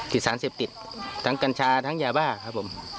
ติดสารเสพติดทั้งกัญชาทั้งยาบ้าครับผม